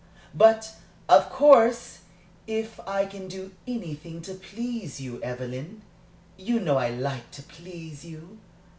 "But, of course, if I can do anything to please you, Evelyn you know I like to please you."